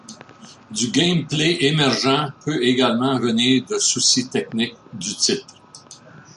Du gameplay émergent peut également venir de soucis techniques du titre.